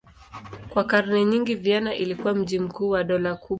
Kwa karne nyingi Vienna ilikuwa mji mkuu wa dola kubwa.